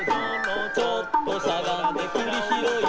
「ちょっとしゃがんでくりひろい」